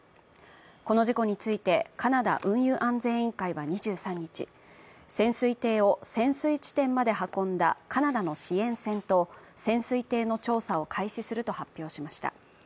この事故について、カナダ運輸安全委員会は２３日、潜水艇を潜水地点まで運んだカナダの支援船と潜水艇の調査を開始すると発表しました。